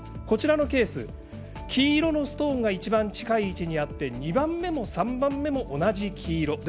こちらのケース黄色のストーンが一番、近い位置にあって２番目も３番目も同じ黄色。